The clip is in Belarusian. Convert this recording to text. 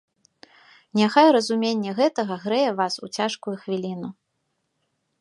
Няхай разуменне гэтага грэе вас у цяжкую хвіліну.